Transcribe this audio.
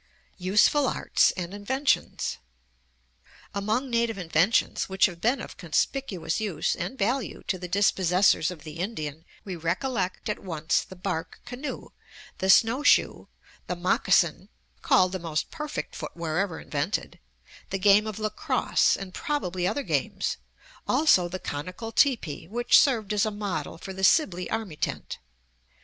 USEFUL ARTS AND INVENTIONS Among native inventions which have been of conspicuous use and value to the dispossessors of the Indian we recollect at once the bark canoe, the snowshoe, the moccasin (called the most perfect footwear ever invented), the game of lacrosse and probably other games, also the conical teepee which served as a model for the Sibley army tent.